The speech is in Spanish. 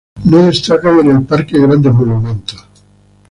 No destacan en el parque grandes monumentos.